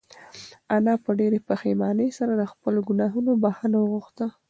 انا په ډېرې پښېمانۍ سره د خپلو گناهونو بښنه وغوښته.